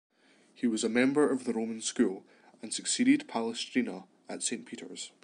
He was a member of the Roman School, and succeeded Palestrina at Saint Peter's.